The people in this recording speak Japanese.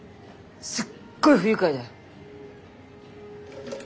すっごい不愉快だよ。